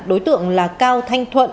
đối tượng là cao thanh thuận